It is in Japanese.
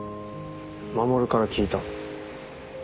守から聞いた。